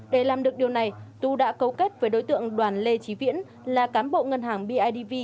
để làm được điều này tú đã cấu kết với đối tượng đoàn lê trí viễn là cán bộ ngân hàng bidv